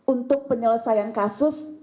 untuk penyelesaian kasus